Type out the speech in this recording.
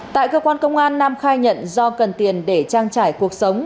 tại cơ quan công an nam khai nhận do cần tiền để trang trải cuộc sống